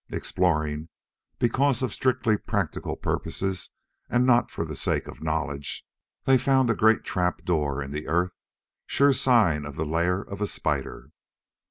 Exploring, because of strictly practical purposes and not for the sake of knowledge, they found a great trap door in the earth, sure sign of the lair of a spider.